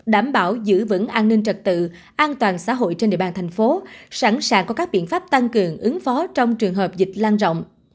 đảm bảo giữ vững an ninh trật tự an toàn xã hội trên địa bàn thành phố sẵn sàng có các biện pháp tăng cường ứng phó trong trường hợp dịch lan rộng